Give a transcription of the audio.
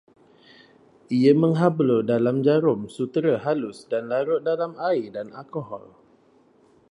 Ia menghablur dalam jarum sutera halus dan larut dalam air dan alkohol